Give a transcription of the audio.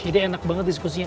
jadi enak banget diskusinya